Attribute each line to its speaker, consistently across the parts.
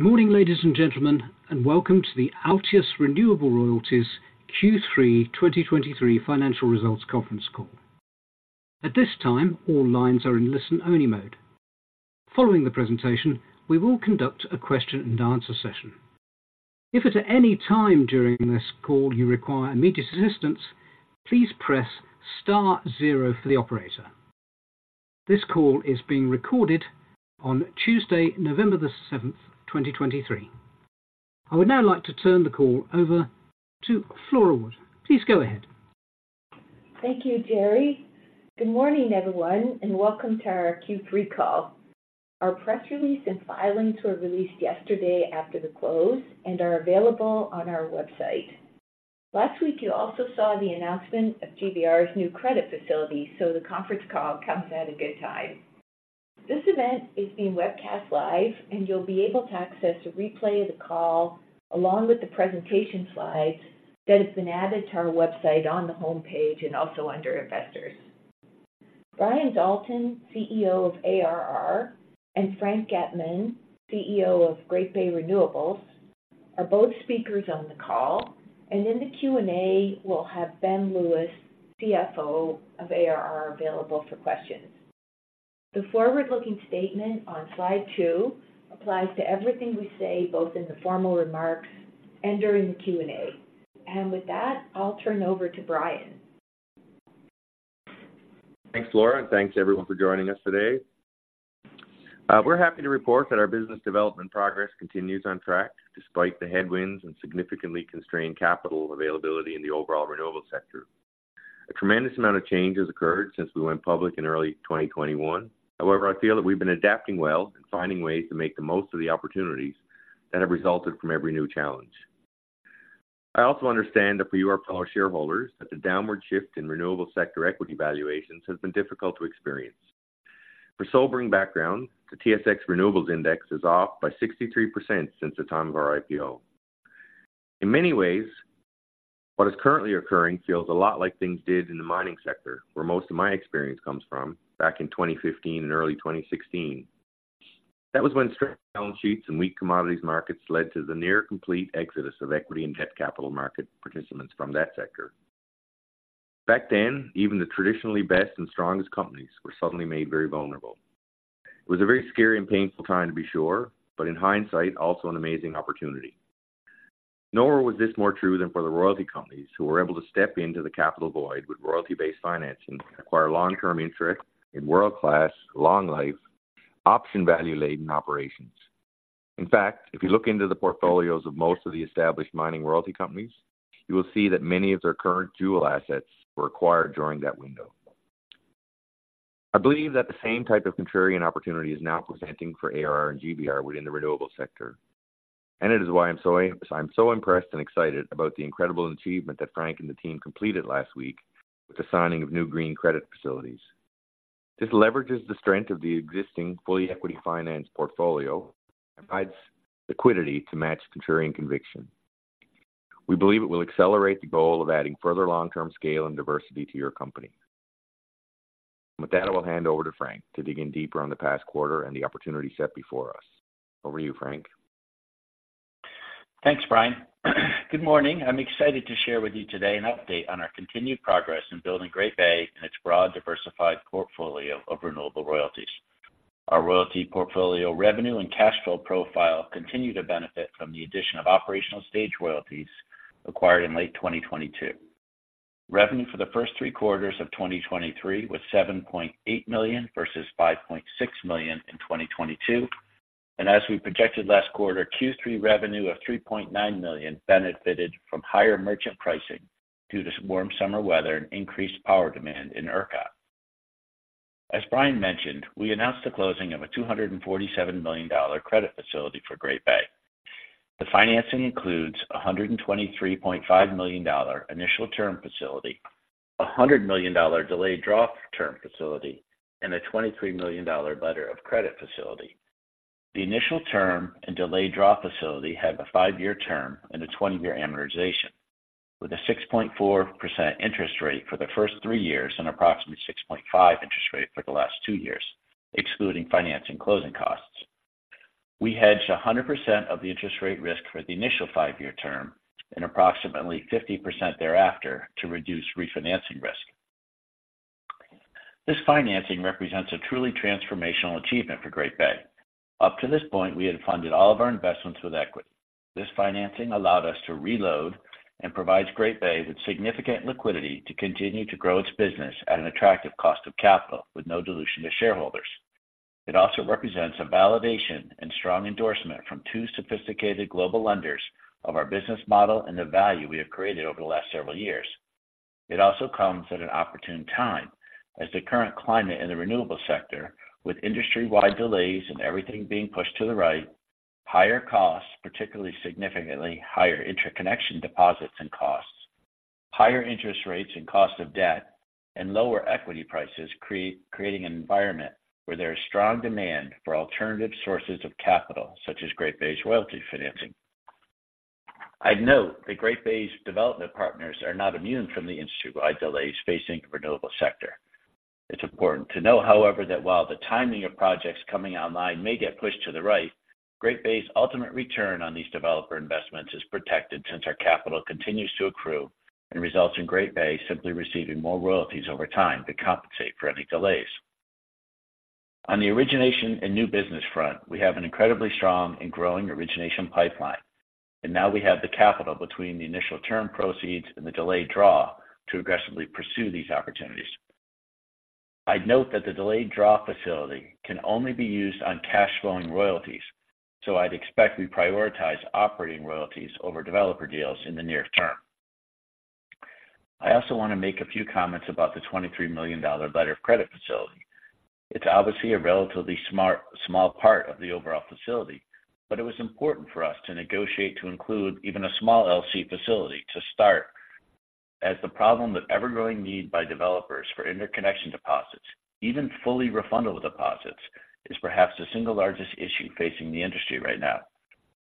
Speaker 1: Good morning, ladies and gentlemen, and welcome to the Altius Renewable Royalties Q3 2023 financial results conference call. At this time, all lines are in listen-only mode. Following the presentation, we will conduct a question and answer session. If at any time during this call you require immediate assistance, please press star zero for the operator. This call is being recorded on Tuesday, November 7th, 2023. I would now like to turn the call over to Flora Wood. Please go ahead.
Speaker 2: Thank you, Jerry. Good morning, everyone, and welcome to our Q3 call. Our press release and filings were released yesterday after the close and are available on our website. Last week, you also saw the announcement of GBR's new credit facility, so the conference call comes at a good time. This event is being webcast live, and you'll be able to access a replay of the call, along with the presentation slides that have been added to our website, on the homepage and also under Investors. Brian Dalton, CEO of ARR, and Frank Getman, CEO of Great Bay Renewables, are both speakers on the call, and in the Q&A, we'll have Ben Lewis, CFO of ARR, available for questions. The forward-looking statement on slide two applies to everything we say, both in the formal remarks and during the Q&A. With that, I'll turn over to Brian.
Speaker 3: Thanks, Flora, and thanks, everyone, for joining us today. We're happy to report that our business development progress continues on track, despite the headwinds and significantly constrained capital availability in the overall renewable sector. A tremendous amount of change has occurred since we went public in early 2021. However, I feel that we've been adapting well and finding ways to make the most of the opportunities that have resulted from every new challenge. I also understand that for you, our fellow shareholders, that the downward shift in renewable sector equity valuations has been difficult to experience. For sobering background, the TSX Renewables Index is off by 63% since the time of our IPO. In many ways, what is currently occurring feels a lot like things did in the mining sector, where most of my experience comes from, back in 2015 and early 2016. That was when balance sheets and weak commodities markets led to the near complete exodus of equity and debt capital market participants from that sector. Back then, even the traditionally best and strongest companies were suddenly made very vulnerable. It was a very scary and painful time, to be sure, but in hindsight, also an amazing opportunity. Nowhere was this more true than for the royalty companies, who were able to step into the capital void with royalty-based financing and acquire long-term interest in world-class, long-life, option-value-laden operations. In fact, if you look into the portfolios of most of the established mining royalty companies, you will see that many of their current jewel assets were acquired during that window. I believe that the same type of contrarian opportunity is now presenting for ARR and GBR within the renewable sector, and it is why I'm so impressed and excited about the incredible achievement that Frank and the team completed last week with the signing of new green credit facilities. This leverages the strength of the existing fully equity finance portfolio and provides liquidity to match contrarian conviction. We believe it will accelerate the goal of adding further long-term scale and diversity to your company. With that, I will hand over to Frank to dig in deeper on the past quarter and the opportunity set before us. Over to you, Frank.
Speaker 4: Thanks, Brian. Good morning. I'm excited to share with you today an update on our continued progress in building Great Bay and its broad, diversified portfolio of renewable royalties. Our royalty portfolio revenue and cash flow profile continue to benefit from the addition of operational stage royalties acquired in late 2022. Revenue for the first three quarters of 2023 was $7.8 million versus $5.6 million in 2022. As we projected last quarter, Q3 revenue of $3.9 million benefited from higher merchant pricing due to warm summer weather and increased power demand in ERCOT. As Brian mentioned, we announced the closing of a $247 million credit facility for Great Bay. The financing includes $123.5 million initial term facility, $100 million delayed draw term facility, and $23 million letter of credit facility. The initial term and delayed draw facility have a five-year term and a 20-year amortization, with a 6.4% interest rate for the first three years and approximately 6.5% interest rate for the last two years, excluding financing closing costs. We hedged 100% of the interest rate risk for the initial five-year term and approximately 50% thereafter to reduce refinancing risk. This financing represents a truly transformational achievement for Great Bay. Up to this point, we had funded all of our investments with equity. This financing allowed us to reload and provides Great Bay with significant liquidity to continue to grow its business at an attractive cost of capital with no dilution to shareholders. It also represents a validation and strong endorsement from two sophisticated global lenders of our business model and the value we have created over the last several years. It also comes at an opportune time, as the current climate in the renewable sector, with industry-wide delays and everything being pushed to the right, higher costs, particularly significantly higher interconnection deposits and costs, higher interest rates and cost of debt, and lower equity prices, creating an environment where there is strong demand for alternative sources of capital, such as Great Bay's royalty financing. I'd note that Great Bay's development partners are not immune from the industry-wide delays facing the renewable sector. It's important to know, however, that while the timing of projects coming online may get pushed to the right, Great Bay's ultimate return on these developer investments is protected, since our capital continues to accrue and results in Great Bay simply receiving more royalties over time to compensate for any delays. On the origination and new business front, we have an incredibly strong and growing origination pipeline, and now we have the capital between the initial term proceeds and the delayed draw to aggressively pursue these opportunities. I'd note that the delayed draw facility can only be used on cash flowing royalties, so I'd expect we prioritize operating royalties over developer deals in the near term. I also want to make a few comments about the $23 million letter of credit facility. It's obviously a relatively small part of the overall facility, but it was important for us to negotiate to include even a small LC facility to start, as the problem, the ever-growing need by developers for interconnection deposits, even fully refundable deposits, is perhaps the single largest issue facing the industry right now.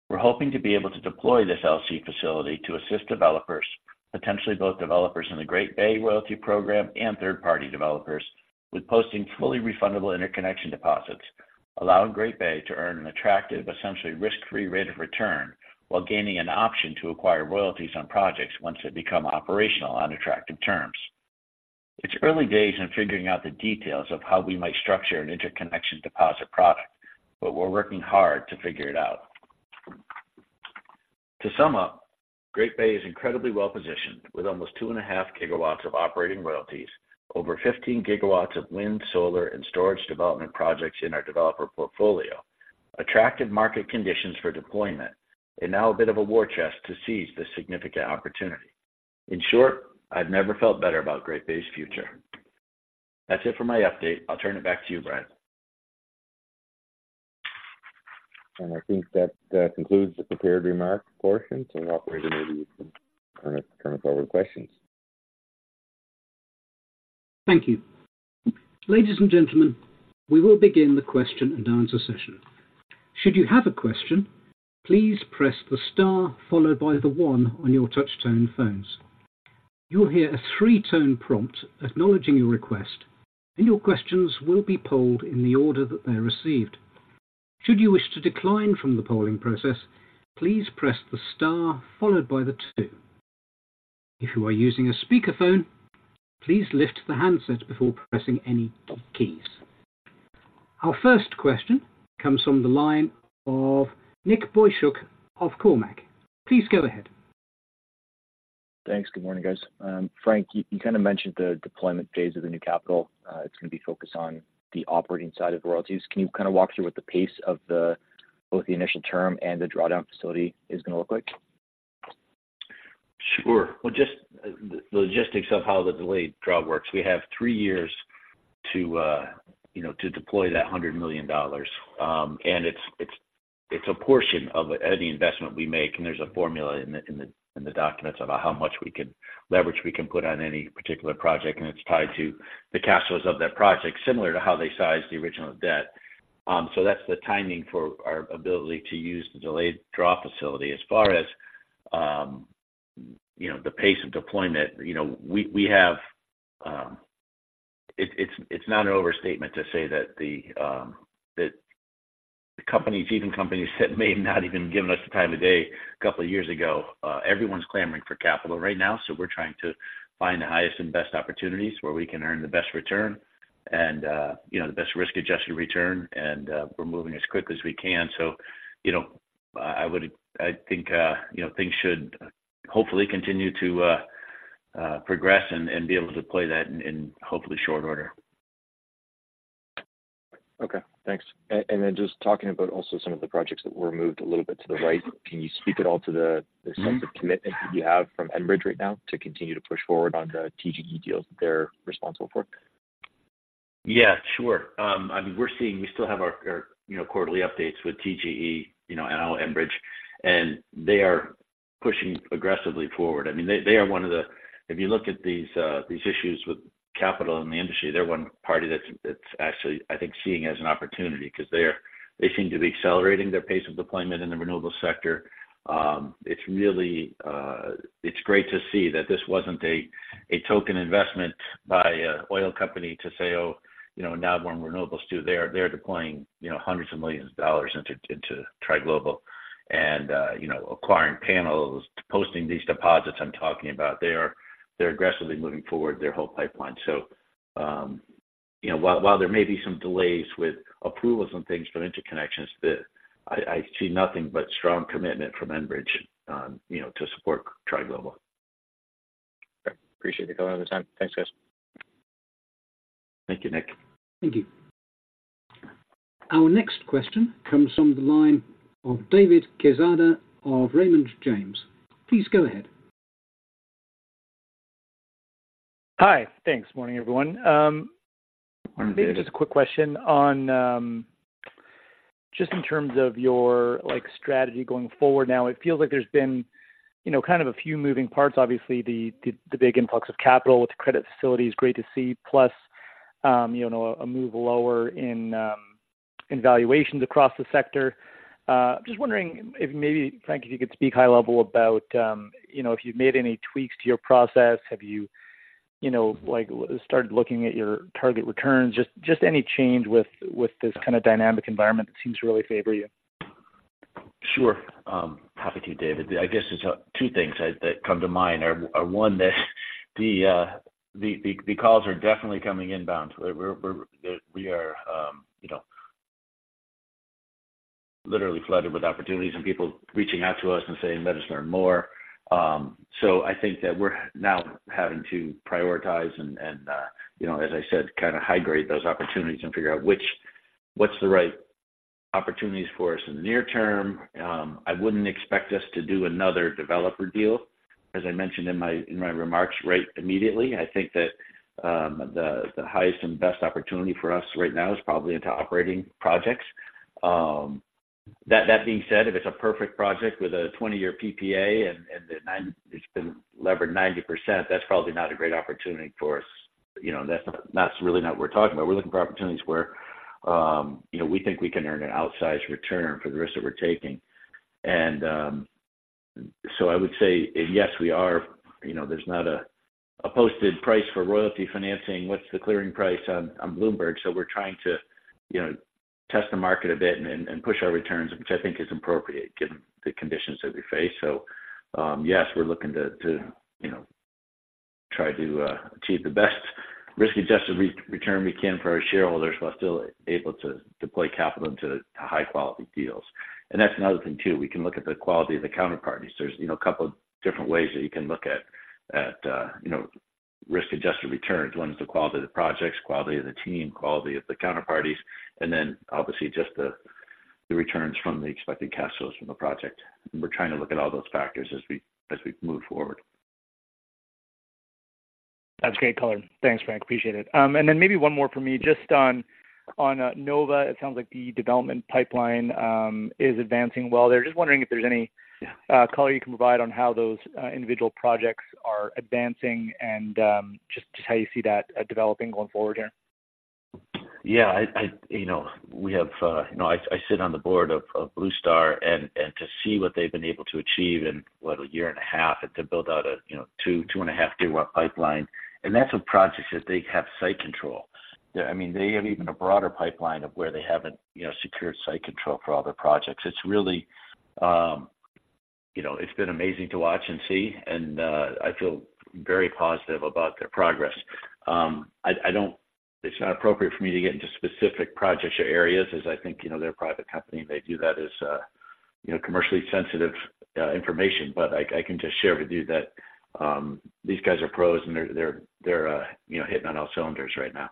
Speaker 4: We're hoping to be able to deploy this LC facility to assist developers, potentially both developers in the Great Bay Royalty program and third-party developers, with posting fully refundable interconnection deposits, allowing Great Bay to earn an attractive, essentially risk-free rate of return, while gaining an option to acquire royalties on projects once they become operational on attractive terms. It's early days in figuring out the details of how we might structure an interconnection deposit product, but we're working hard to figure it out. To sum up, Great Bay is incredibly well-positioned, with almost 2.5 GW of operating royalties, over 15 GW of wind, solar, and storage development projects in our developer portfolio, attractive market conditions for deployment, and now a bit of a war chest to seize this significant opportunity. In short, I've never felt better about Great Bay's future. That's it for my update. I'll turn it back to you, Brian.
Speaker 3: And I think that that concludes the prepared remarks portion. So operator, maybe you can turn us over to questions.
Speaker 1: Thank you. Ladies and gentlemen, we will begin the question and answer session. Should you have a question, please press the star followed by the one on your touchtone phones. You will hear a three-tone prompt acknowledging your request, and your questions will be polled in the order that they're received. Should you wish to decline from the polling process, please press the star followed by the two. If you are using a speakerphone, please lift the handset before pressing any keys. Our first question comes from the line of Nick Boychuk of Cormark. Please go ahead.
Speaker 5: Thanks. Good morning, guys. Frank, you kind of mentioned the deployment phase of the new capital. It's going to be focused on the operating side of the royalties. Can you kind of walk through what the pace of the, both the initial term and the drawdown facility is going to look like?
Speaker 4: Sure. Well, just the logistics of how the delayed draw works. We have three years to, you know, to deploy that $100 million. And it's a portion of any investment we make, and there's a formula in the documents about how much we can leverage we can put on any particular project, and it's tied to the cash flows of that project, similar to how they sized the original debt. So that's the timing for our ability to use the delayed draw facility. As far as, you know, the pace of deployment, you know, we have. It's not an overstatement to say that the companies, even companies that may have not even given us the time of day a couple of years ago, everyone's clamoring for capital right now. So we're trying to find the highest and best opportunities where we can earn the best return and, you know, the best risk-adjusted return, and we're moving as quickly as we can. So, you know, I would. I think, you know, things should hopefully continue to progress and be able to deploy that in hopefully short order.
Speaker 5: Okay, thanks. And then just talking about also some of the projects that were moved a little bit to the right, can you speak at all to the sense of commitment that you have from Enbridge right now to continue to push forward on the TGE deals that they're responsible for?
Speaker 4: Yeah, sure. I mean, we're seeing... We still have our quarterly updates with TGE, you know, now Enbridge, and they are pushing aggressively forward. I mean, they are one of the-- If you look at these issues with capital in the industry, they're one party that's actually, I think, seeing it as an opportunity because they seem to be accelerating their pace of deployment in the renewable sector. It's really, it's great to see that this wasn't a token investment by an oil company to say, "Oh, you know, now we're in renewables, too." They are-- They're deploying, you know, $hundreds of millions into Tri Global and, you know, acquiring panels, posting these deposits I'm talking about. They are aggressively moving forward their whole pipeline. So, you know, while there may be some delays with approvals and things from interconnections, I see nothing but strong commitment from Enbridge, you know, to support Tri Global.
Speaker 5: Okay. Appreciate the color and the time. Thanks, guys.
Speaker 4: Thank you, Nick.
Speaker 1: Thank you. Our next question comes from the line of David Quezada of Raymond James. Please go ahead.
Speaker 6: Hi. Thanks. Morning, everyone.
Speaker 4: Morning, David.
Speaker 6: Maybe just a quick question on just in terms of your, like, strategy going forward. Now, it feels like there's been, you know, kind of a few moving parts. Obviously, the big influx of capital with the credit facility is great to see, plus, you know, a move lower in valuations across the sector. Just wondering if maybe, Frank, if you could speak high level about, you know, if you've made any tweaks to your process. Have you, you know, like, started looking at your target returns? Just any change with this kind of dynamic environment that seems to really favor you.
Speaker 4: Sure. Happy to, David. I guess there's two things that come to mind. Our one, that the calls are definitely coming inbound. We are, you know, literally flooded with opportunities and people reaching out to us and saying, "Let us learn more." So I think that we're now having to prioritize and, you know, as I said, kind of high-grade those opportunities and figure out which - what's the right opportunities for us in the near term. I wouldn't expect us to do another developer deal, as I mentioned in my remarks, right, immediately. I think that the highest and best opportunity for us right now is probably into operating projects. That being said, if it's a perfect project with a 20-year PPA and it nine... It's been levered 90%, that's probably not a great opportunity for us. You know, that's really not what we're talking about. We're looking for opportunities where, you know, we think we can earn an outsized return for the risk that we're taking. And, so I would say, yes, we are. You know, there's not a posted price for royalty financing, what's the clearing price on Bloomberg? So we're trying to, you know, test the market a bit and push our returns, which I think is appropriate given the conditions that we face. So, yes, we're looking to, you know, try to achieve the best risk-adjusted return we can for our shareholders, while still able to deploy capital into high-quality deals. And that's another thing too, we can look at the quality of the counterparties. There's, you know, a couple of different ways that you can look at risk-adjusted returns. One is the quality of the projects, quality of the team, quality of the counterparties, and then obviously, just the returns from the expected cash flows from the project. We're trying to look at all those factors as we move forward.
Speaker 6: That's great color. Thanks, Frank. Appreciate it. And then maybe one more for me. Just on Nova, it sounds like the development pipeline is advancing well there. Just wondering if there's any color you can provide on how those individual projects are advancing, and just how you see that developing going forward here.
Speaker 4: Yeah, you know, we have, you know, I sit on the board of Blue Star, and to see what they've been able to achieve in what, a year and a half, and to build out a, you know, 2-2.5 GW pipeline. And that's with projects that they have site control. I mean, they have even a broader pipeline of where they haven't, you know, secured site control for all their projects. It's really, you know, it's been amazing to watch and see, and I feel very positive about their progress. I don't. It's not appropriate for me to get into specific projects or areas, as I think, you know, they're a private company, they view that as, you know, commercially sensitive information. But I can just share with you that, these guys are pros, and they're, you know, hitting on all cylinders right now.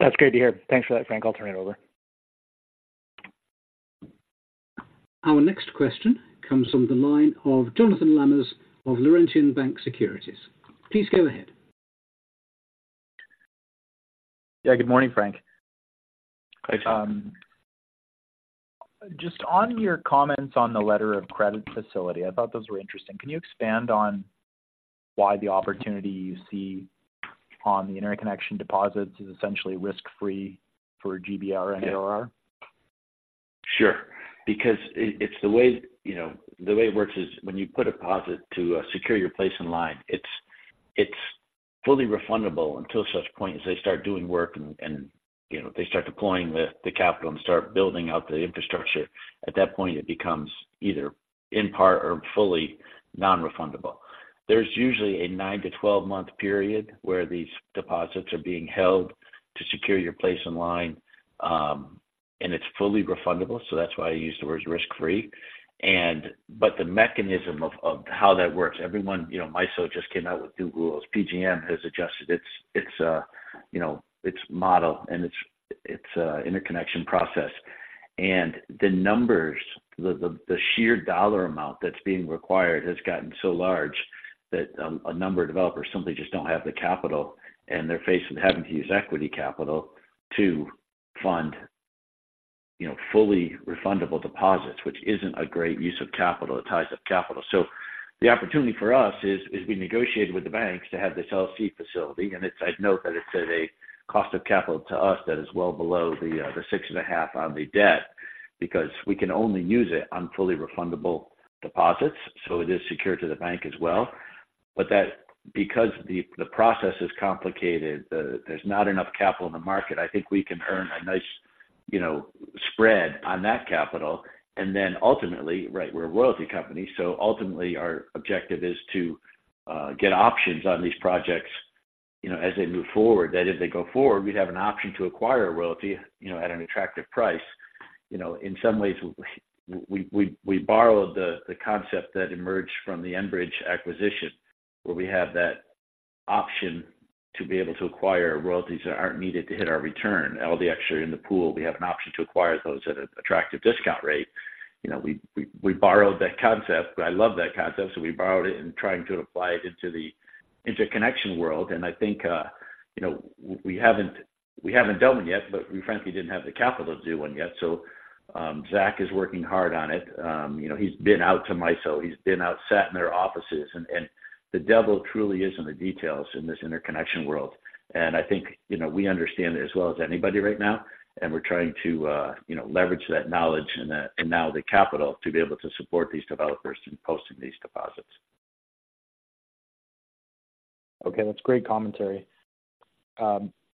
Speaker 6: That's great to hear. Thanks for that, Frank. I'll turn it over.
Speaker 1: Our next question comes from the line of Jonathan Lamers of Laurentian Bank Securities. Please go ahead.
Speaker 7: Yeah, good morning, Frank.
Speaker 4: Hi.
Speaker 7: Just on your comments on the letter of credit facility, I thought those were interesting. Can you expand on why the opportunity you see on the interconnection deposits is essentially risk-free for GBR and ARR?
Speaker 4: Sure. Because it, it's the way, you know, the way it works is when you put a deposit to secure your place in line, it's, it's fully refundable until such point as they start doing work and, and, you know, they start deploying the capital and start building out the infrastructure. At that point, it becomes either in part or fully non-refundable. There's usually a 9-12-month period where these deposits are being held to secure your place in line, and it's fully refundable, so that's why I use the word risk-free. And but the mechanism of how that works, everyone, you know, MISO just came out with new rules. PJM has adjusted its, its, you know, its model and its interconnection process. And the numbers, the sheer dollar amount that's being required has gotten so large that, a number of developers simply just don't have the capital, and they're faced with having to use equity capital to fund, you know, fully refundable deposits, which isn't a great use of capital. It ties up capital. So the opportunity for us is we negotiated with the banks to have this LC facility, and it's. I'd note that it's at a cost of capital to us that is well below the 6.5 on the debt, because we can only use it on fully refundable deposits, so it is secure to the bank as well. But that because the process is complicated, there's not enough capital in the market, I think we can earn a nice, you know, spread on that capital. And then ultimately, right, we're a royalty company, so ultimately our objective is to get options on these projects, you know, as they move forward. That if they go forward, we'd have an option to acquire a royalty, you know, at an attractive price. You know, in some ways, we borrowed the concept that emerged from the Enbridge acquisition, where we have that option to be able to acquire royalties that aren't needed to hit our return. All the extra in the pool, we have an option to acquire those at an attractive discount rate. You know, we borrowed that concept, but I love that concept, so we borrowed it and trying to apply it into the interconnection world. And I think, you know, we haven't-... We haven't done one yet, but we frankly didn't have the capital to do one yet. So, Zach is working hard on it. You know, he's been out to MISO, he's been out, sat in their offices, and, and the devil truly is in the details in this interconnection world. And I think, you know, we understand it as well as anybody right now, and we're trying to, you know, leverage that knowledge and the- and now the capital, to be able to support these developers in posting these deposits.
Speaker 7: Okay, that's great commentary.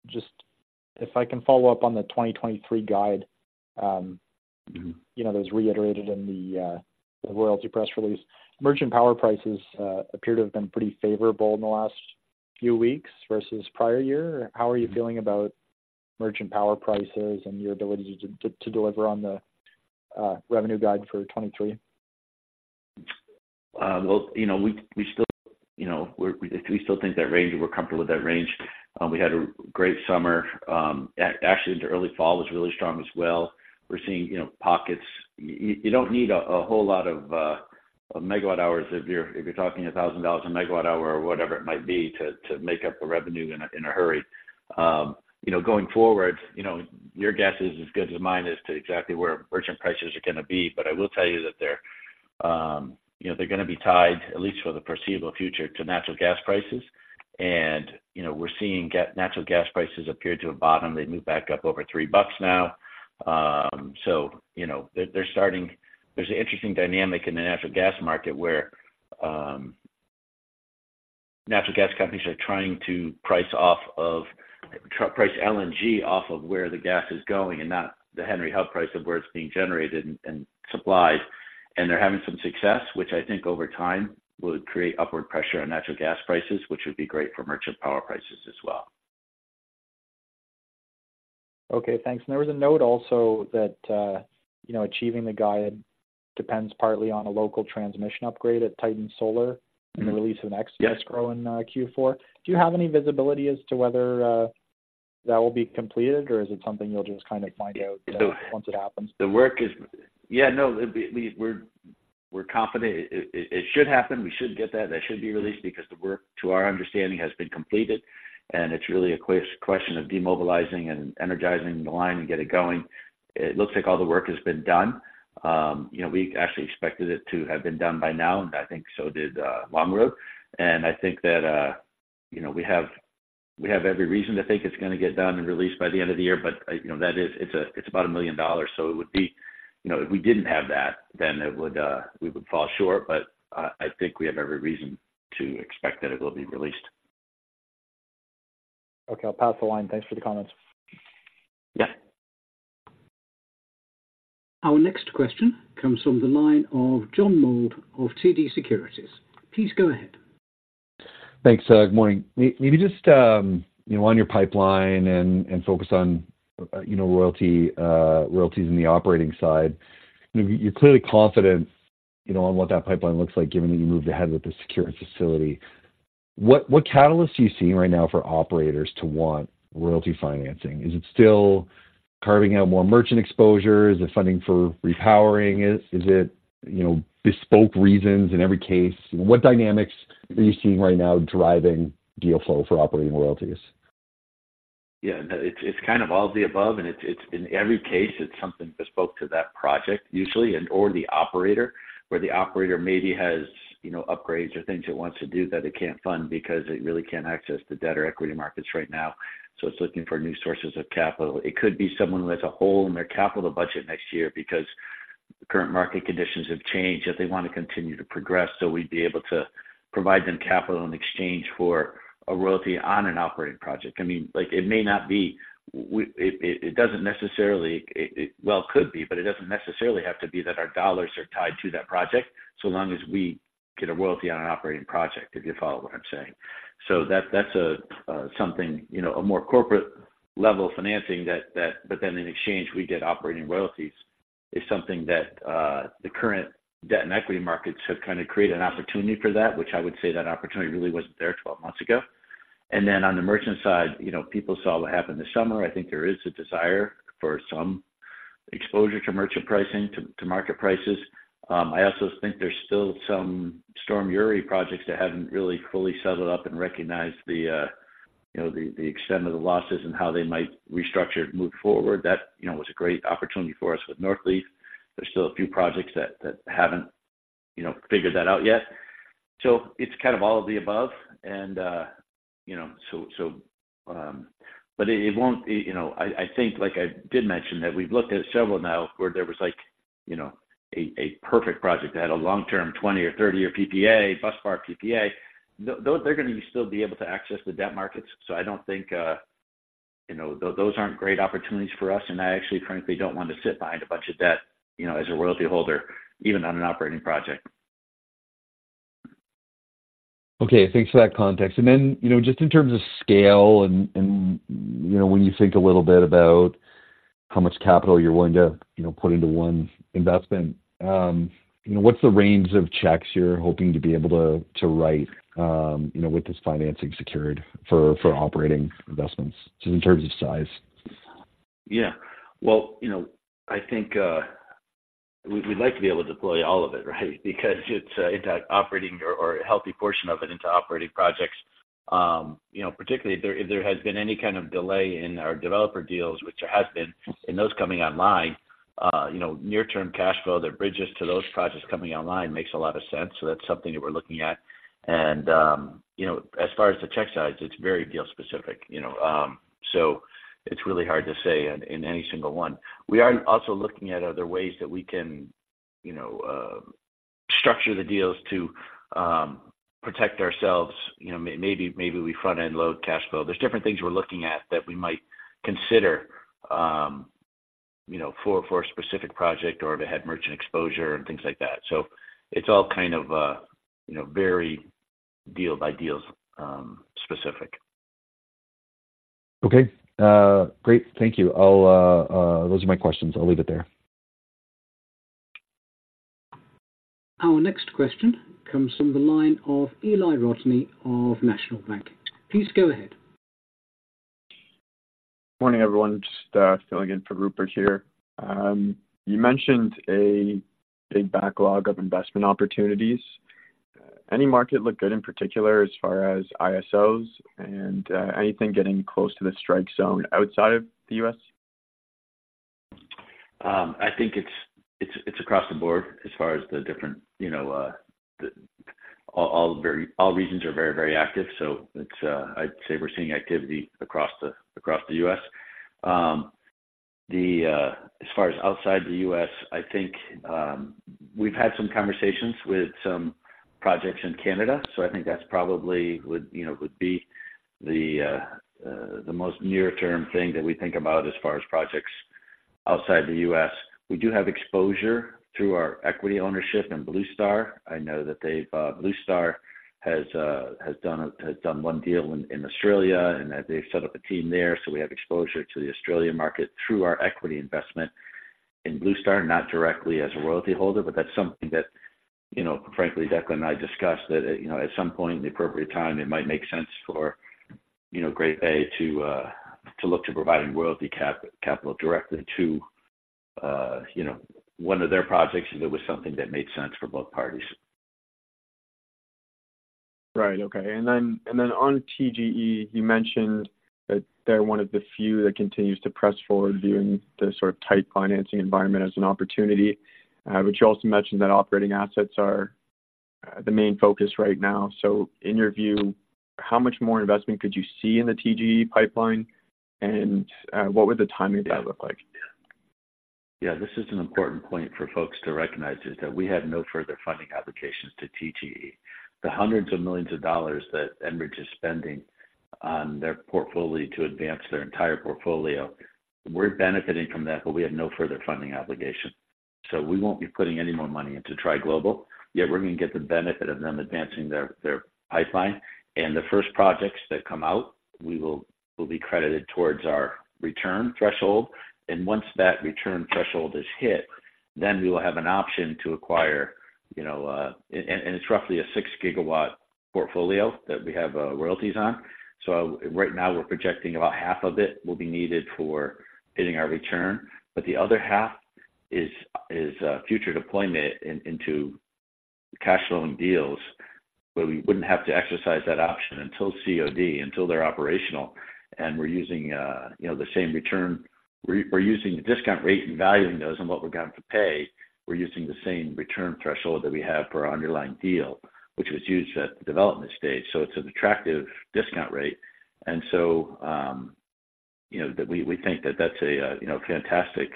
Speaker 7: Just if I can follow up on the 2023 guide, you know, that was reiterated in the royalty press release. Merchant power prices appear to have been pretty favorable in the last few weeks versus prior year. How are you feeling about merchant power prices and your ability to deliver on the revenue guide for 2023?
Speaker 4: Well, you know, we still think that range, we're comfortable with that range. We had a great summer. Actually, into early fall was really strong as well. We're seeing, you know, pockets. You don't need a whole lot of megawatt hours if you're talking $1,000 a megawatt hour or whatever it might be, to make up the revenue in a hurry. You know, going forward, you know, your guess is as good as mine as to exactly where merchant prices are gonna be, but I will tell you that they're, you know, they're gonna be tied, at least for the foreseeable future, to natural gas prices. And, you know, we're seeing natural gas prices appear to have bottomed. They moved back up over $3 now. So, you know, there's an interesting dynamic in the natural gas market where natural gas companies are trying to price LNG off of where the gas is going and not the Henry Hub price of where it's being generated and supplied. And they're having some success, which I think over time will create upward pressure on natural gas prices, which would be great for merchant power prices as well.
Speaker 7: Okay, thanks. There was a note also that, you know, achieving the guide depends partly on a local transmission upgrade at Titan Solar-
Speaker 4: Mm-hmm.
Speaker 7: and the release of an escrow
Speaker 4: Yes
Speaker 7: -grow in Q4. Do you have any visibility as to whether that will be completed, or is it something you'll just kind of find out-
Speaker 4: So-
Speaker 7: Once it happens?
Speaker 4: Yeah, no, we're confident it should happen. We should get that. That should be released because the work, to our understanding, has been completed, and it's really a question of demobilizing and energizing the line and get it going. It looks like all the work has been done. You know, we actually expected it to have been done by now, and I think so did Longroad. And I think that, you know, we have every reason to think it's gonna get done and released by the end of the year. But, you know, that is, it's about $1 million, so it would be... You know, if we didn't have that, then it would, we would fall short. But, I think we have every reason to expect that it will be released.
Speaker 7: Okay. I'll pass the line. Thanks for the comments.
Speaker 4: Yeah.
Speaker 1: Our next question comes from the line of John Mould of TD Securities. Please go ahead.
Speaker 8: Thanks, good morning. Maybe just, you know, on your pipeline and focus on, you know, royalty, royalties in the operating side. You're clearly confident, you know, on what that pipeline looks like, given that you moved ahead with the secured facility. What catalyst are you seeing right now for operators to want royalty financing? Is it still carving out more merchant exposure? Is it funding for repowering? Is it, you know, bespoke reasons in every case? What dynamics are you seeing right now driving deal flow for operating royalties?
Speaker 4: Yeah, no, it's kind of all the above, and it's in every case something bespoke to that project usually, and or the operator, where the operator maybe has, you know, upgrades or things it wants to do that it can't fund because it really can't access the debt or equity markets right now, so it's looking for new sources of capital. It could be someone who has a hole in their capital budget next year because the current market conditions have changed, yet they want to continue to progress, so we'd be able to provide them capital in exchange for a royalty on an operating project. I mean, like, it may not be. It doesn't necessarily... Well, it could be, but it doesn't necessarily have to be that our dollars are tied to that project, so long as we get a royalty on an operating project, if you follow what I'm saying. So that, that's a, something, you know, a more corporate level of financing that, but then in exchange, we get operating royalties, is something that the current debt and equity markets have kind of created an opportunity for that, which I would say that opportunity really wasn't there 12 months ago. And then on the merchant side, you know, people saw what happened this summer. I think there is a desire for some exposure to merchant pricing, to market prices. I also think there's still some Storm Uri projects that haven't really fully settled up and recognized the, you know, the extent of the losses and how they might restructure and move forward. That, you know, was a great opportunity for us with Northleaf. There's still a few projects that haven't, you know, figured that out yet. So it's kind of all of the above, and, you know, so, but it won't, it... You know, I think, like I did mention, that we've looked at several now where there was like, you know, a perfect project, that had a long-term, 20- or 30-year PPA, busbar PPA. Those, they're gonna still be able to access the debt markets, so I don't think, you know... Those aren't great opportunities for us, and I actually frankly don't want to sit behind a bunch of debt, you know, as a royalty holder, even on an operating project.
Speaker 8: Okay. Thanks for that context. And then, you know, just in terms of scale and, you know, when you think a little bit about how much capital you're willing to, you know, put into one investment, you know, what's the range of checks you're hoping to be able to write, you know, with this financing secured for operating investments, just in terms of size?...
Speaker 4: Yeah. Well, you know, I think, we, we'd like to be able to deploy all of it, right? Because it's, into operating or, or a healthy portion of it into operating projects. You know, particularly if there, if there has been any kind of delay in our developer deals, which there has been, in those coming online, you know, near-term cash flow that bridges to those projects coming online makes a lot of sense. So that's something that we're looking at. And, you know, as far as the check size, it's very deal-specific, you know. So it's really hard to say in, in any single one. We are also looking at other ways that we can, you know, structure the deals to, protect ourselves. You know, maybe, maybe we front-end load cash flow. There's different things we're looking at that we might consider, you know, for a specific project or if it had merchant exposure and things like that. So it's all kind of, you know, very deal-by-deal, specific.
Speaker 2: Okay. Great. Thank you. I'll... Those are my questions. I'll leave it there.
Speaker 1: Our next question comes from the line of Eli Rodney of National Bank. Please go ahead.
Speaker 9: Morning, everyone. Just filling in for Rupert here. You mentioned a big backlog of investment opportunities. Any market look good in particular as far as ISOs and anything getting close to the strike zone outside of the U.S.?
Speaker 4: I think it's across the board as far as the different, you know, the all regions are very, very active, so it's, I'd say we're seeing activity across the across the U.S. As far as outside the U.S., I think we've had some conversations with some projects in Canada, so I think that's probably would, you know, would be the the most near-term thing that we think about as far as projects outside the U.S. We do have exposure through our equity ownership in Blue Star. I know that they've Blue Star has done one deal in Australia, and that they've set up a team there, so we have exposure to the Australian market through our equity investment in Blue Star, not directly as a royalty holder, but that's something that, you know, frankly, Declan and I discussed, that, you know, at some point in the appropriate time, it might make sense for, you know, Great Bay to look to providing royalty capital directly to, you know, one of their projects, if it was something that made sense for both parties.
Speaker 9: Right. Okay. And then on TGE, you mentioned that they're one of the few that continues to press forward, viewing the sort of tight financing environment as an opportunity. But you also mentioned that operating assets are the main focus right now. So in your view, how much more investment could you see in the TGE pipeline? And what would the timing of that look like?
Speaker 4: Yeah, this is an important point for folks to recognize, is that we have no further funding obligations to TGE. The hundreds of millions of dollars that Enbridge is spending on their portfolio to advance their entire portfolio, we're benefiting from that, but we have no further funding obligation. So we won't be putting any more money into Tri Global, yet we're going to get the benefit of them advancing their pipeline. And the first projects that come out, we will be credited towards our return threshold, and once that return threshold is hit, then we will have an option to acquire, you know. And it's roughly a 6 GW portfolio that we have royalties on. So right now, we're projecting about half of it will be needed for hitting our return, but the other half is future deployment into cash flowing deals, where we wouldn't have to exercise that option until COD, until they're operational. And we're using you know, the same return. We're using the discount rate in valuing those and what we're going to pay. We're using the same return threshold that we have for our underlying deal, which was used at the development stage. So it's an attractive discount rate. And so you know, that we think that that's a you know, fantastic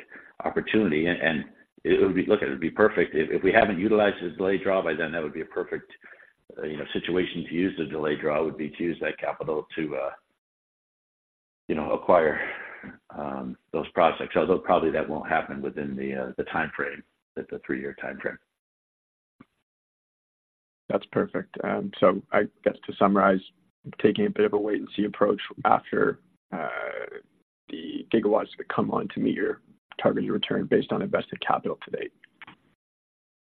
Speaker 4: opportunity, and it would be... Look, it would be perfect. If we haven't utilized the delayed draw by then, that would be a perfect, you know, situation to use the delayed draw, would be to use that capital to, you know, acquire those projects. Although, probably that won't happen within the timeframe, the three-year timeframe.
Speaker 9: That's perfect. So I guess to summarize, taking a bit of a wait-and-see approach after the gigawatts that come on to meet your targeted return based on invested capital to date.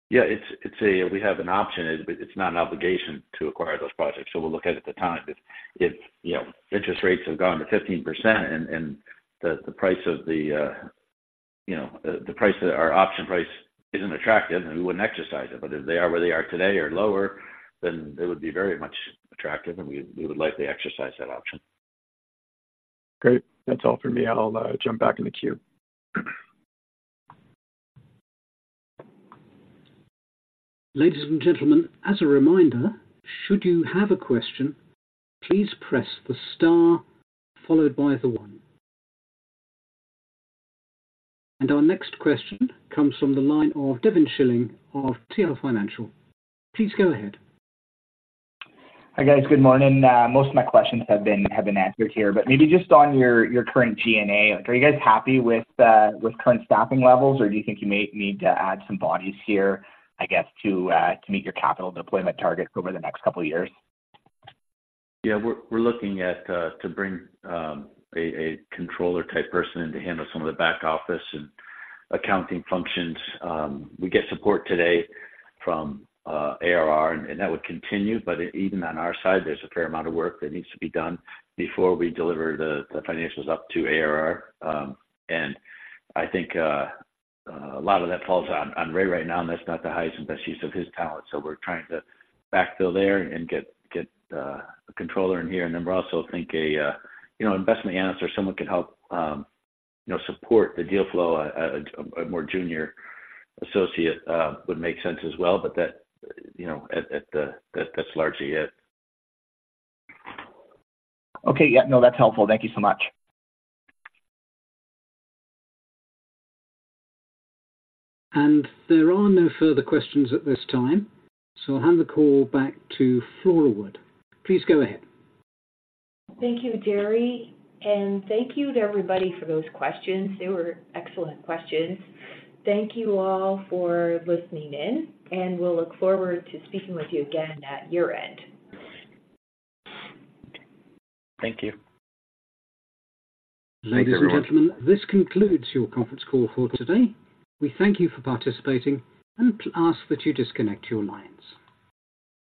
Speaker 4: Yeah, it's a—we have an option. It's not an obligation to acquire those projects, so we'll look at it at the time. If, you know, interest rates have gone to 15% and the price, you know, our option price isn't attractive, then we wouldn't exercise it. But if they are where they are today or lower, then they would be very much attractive, and we would likely exercise that option.
Speaker 9: Great. That's all for me. I'll jump back in the queue.
Speaker 1: Ladies and gentlemen, as a reminder, should you have a question, please press the star followed by the one. Our next question comes from the line of Devin Schilling of PI Financial. Please go ahead.
Speaker 10: Hi, guys. Good morning. Most of my questions have been answered here, but maybe just on your current GNA, are you guys happy with current staffing levels, or do you think you may need to add some bodies here, I guess, to meet your capital deployment targets over the next couple of years?
Speaker 4: Yeah, we're looking at to bring a controller-type person in to handle some of the back office and accounting functions. We get support today from ARR, and that would continue, but even on our side, there's a fair amount of work that needs to be done before we deliver the financials up to ARR. And I think a lot of that falls on Ray right now, and that's not the highest and best use of his talent, so we're trying to backfill there and get a controller in here. And then we're also think a, you know, investment analyst or someone could help, you know, support the deal flow, a more junior associate would make sense as well, but that, you know, that's largely it.
Speaker 10: Okay. Yeah, no, that's helpful. Thank you so much.
Speaker 1: There are no further questions at this time, so I'll hand the call back to Flora Wood. Please go ahead.
Speaker 2: Thank you, Jerry, and thank you to everybody for those questions. They were excellent questions. Thank you all for listening in, and we'll look forward to speaking with you again at year-end.
Speaker 10: Thank you.
Speaker 1: Ladies and gentlemen, this concludes your conference call for today. We thank you for participating and ask that you disconnect your lines.